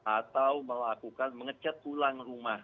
atau melakukan mengecat tulang rumah